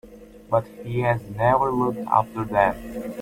But he has never looked after them.